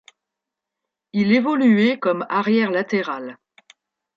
Il évoluait comme arrière latéral.